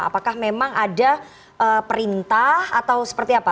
apakah memang ada perintah atau seperti apa